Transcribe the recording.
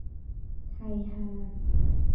ไทยฮา